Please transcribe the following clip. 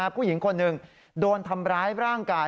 ผู้หญิงคนหนึ่งโดนทำร้ายร่างกาย